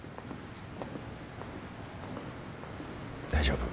大丈夫。